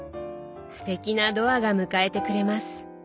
すてきなドアが迎えてくれます。